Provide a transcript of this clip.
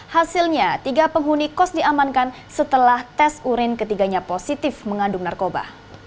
hasilnya tiga penghuni kos diamankan setelah tes urin ketiganya positif mengandung narkoba